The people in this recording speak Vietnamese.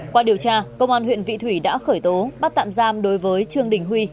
qua điều tra công an huyện vị thủy đã khởi tố bắt tạm giam đối với trương đình huy